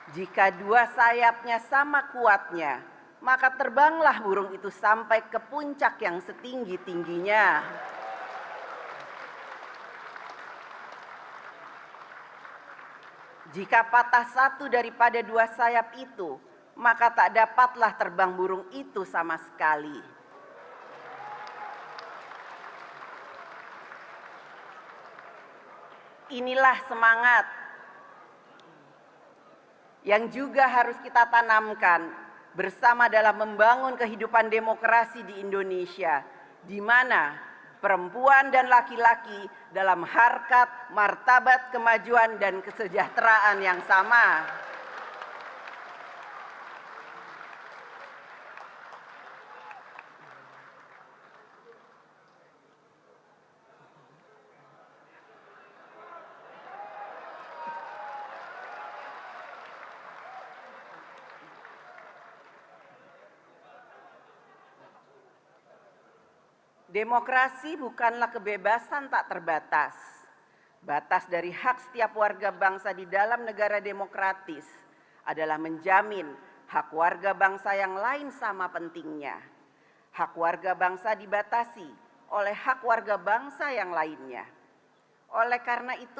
jika dua sayapnya sama kuatnya maka terbanglah burung itu sampai ke puncak yang setinggi tingginya